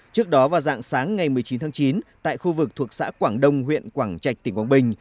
trước đó vào dạng sáng ngày một mươi chín tháng chín tại khu vực thuộc xã quảng đông huyện quảng trạch tỉnh quảng bình